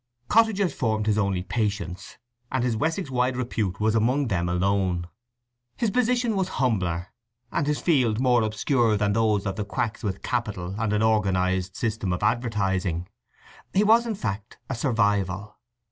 Cottagers formed his only patients, and his Wessex wide repute was among them alone. His position was humbler and his field more obscure than those of the quacks with capital and an organized system of advertising. He was, in fact, a survival.